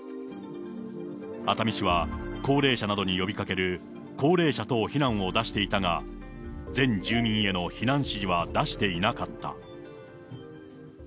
熱海市は高齢者などに呼びかける、高齢者等避難を出していたが、全住民への避難指示は出していなかった。